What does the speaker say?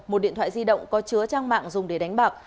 một điện thoại di động có chứa trang mạng dùng để đánh bạc